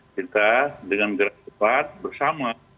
kita dengan gerak cepat bersama